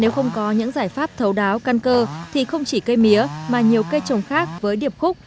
nếu không có những giải pháp thấu đáo căn cơ thì không chỉ cây mía mà nhiều cây trồng khác với điệp khúc